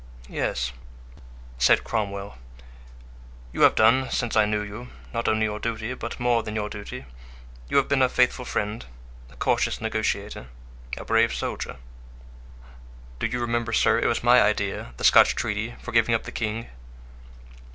"Yes," said Cromwell; "you have done, since I knew you, not only your duty, but more than your duty; you have been a faithful friend, a cautious negotiator, a brave soldier." "Do you remember, sir it was my idea, the Scotch treaty, for giving up the king?"